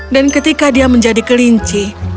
dan ketika dia menjadi kelinci